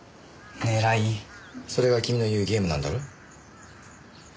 それが君の言うゲームなんだろ？